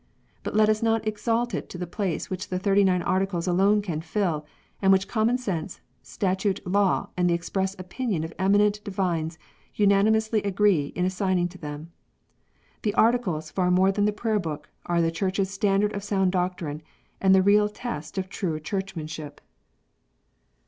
But let us not exalt it to the place which the Thirty nine Articles alone can fill, and which common sense, statute law, and the express opinions of eminent divines unanimously agree in assigning to them. The Articles, far more than the Prayer book, are the Church s standard of sound doctrine, and the real test of true Churchmanship.